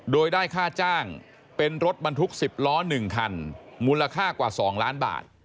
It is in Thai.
โดยได้ค่าจ้างเป็นรถบรรทุก๑๐ล้อ๑คันมูลค่ากว่า๒ล้านบาท